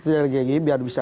biar bisa kemudian